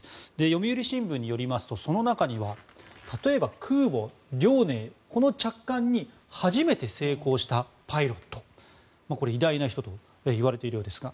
読売新聞によりますとその中には例えば、空母「遼寧」この着艦に初めて成功したパイロットこれ、偉大な人といわれているようですが。